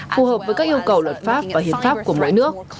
phù hợp với các yêu cầu luật pháp và hiến pháp của mỗi nước